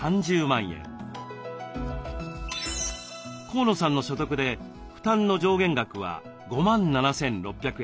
河野さんの所得で負担の上限額は５万７，６００円。